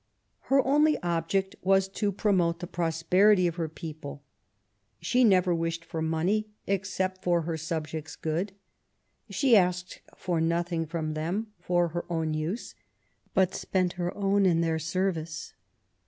Her only object was to promote the prosperity of her people. She never wished for money, except for her subjects' good ; she asked for nothing from them for her own use, but spent her own in their service.